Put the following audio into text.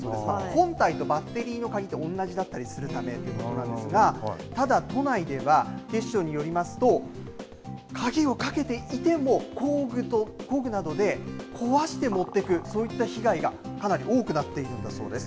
本体とバッテリーの鍵が同じだったりするためなんですがただ、都内では警視庁によりますと鍵をかけていても工具などで壊して持っていくそういった被害が、かなり多くなっているんだそうです。